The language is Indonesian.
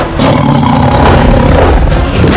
aku tidak mau berpikir seperti itu